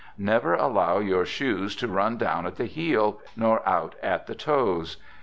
Never allow your shoes to run down at the heel, nor out at the toes.